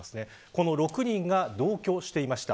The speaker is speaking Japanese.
この６人が同居していました。